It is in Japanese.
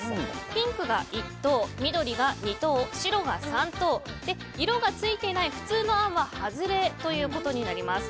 ピンクが１等、緑が２等白が３等色がついていない普通のあんはハズレとなります。